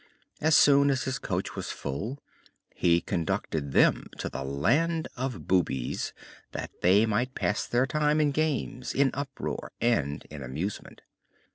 As soon as his coach was full he conducted them to the "Land of Boobies," that they might pass their time in games, in uproar, and in amusement.